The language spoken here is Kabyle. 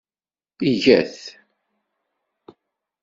Iga-t.